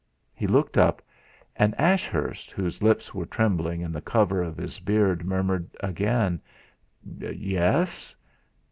He looked up. And Ashurst, whose lips were trembling in the cover of his beard, murmured again: "Yes?"